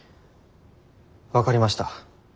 分かりました。